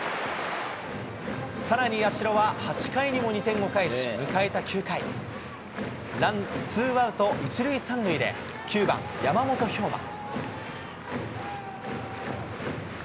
さらに、社は８回にも２点を返し、迎えた９回、ツーアウト１塁３塁で、９番山本彪馬。